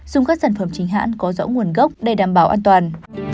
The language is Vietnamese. dùng các sản phẩm chính hãng có rõ nguồn gốc để đảm bảo an toàn